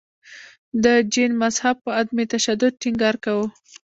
د جین مذهب په عدم تشدد ټینګار کاوه.